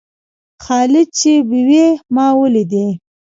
خالد چې بېوى؛ ما وليدئ.